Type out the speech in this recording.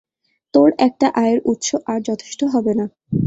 তোর একটা আয়ের উৎস আর যথেষ্ট হবে না।